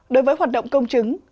đối với hoạt động công chứng